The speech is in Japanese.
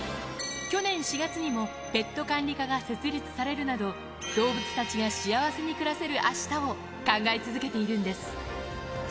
去年４月にもペット管理課が設立されるなど、動物たちが幸せに暮らせる明日を考え続けているんです。